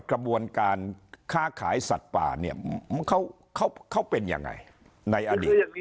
กระบวนการค้าขายสัตว์ป่าเนี่ยเขาเป็นยังไงในอดีต